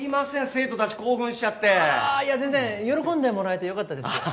生徒達興奮しちゃってあいや全然喜んでもらえてよかったですよ